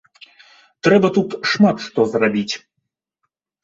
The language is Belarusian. Трэба тут шмат што зрабіць.